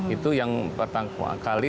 itu yang pertama kali